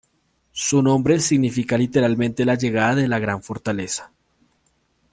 Su nombre significa literalmente "La llegada de gran fortaleza".